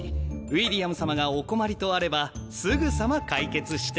ウィリアム様がお困りとあればすぐさま解決して。